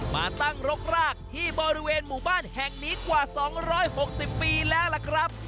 มาตั้งรกรากที่บริเวณหมู่บ้านแห่งนี้กว่า๒๖๐ปีแล้วล่ะครับ